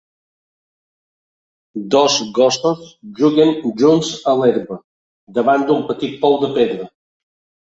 Dos gossos juguen junts a l'herba davant d'un petit pou de pedra.